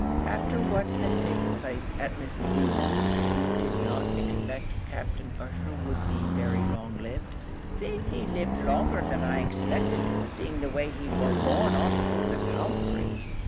"After what had taken place at Mrs. Mehan's, you did not expect Captain Ussher would be very long lived?" "Faix, he lived longer than I expected seeing the way he war going on through the counthry."